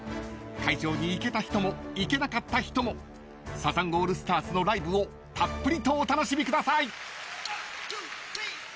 ［会場に行けた人も行けなかった人もサザンオールスターズのライブをたっぷりとお楽しみください］・１２３！